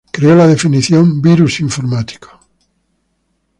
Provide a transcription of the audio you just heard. Creó la definición de "virus informático".